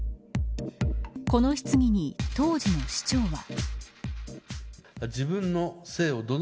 この質疑に、当時の市長は。